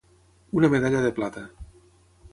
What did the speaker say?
Una medalla de plata.